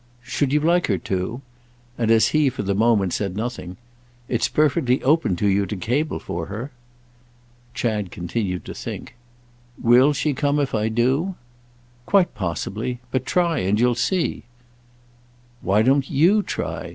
"Should you like her to?" And as he for the moment said nothing: "It's perfectly open to you to cable for her." Chad continued to think. "Will she come if I do?" "Quite possibly. But try, and you'll see." "Why don't you try?"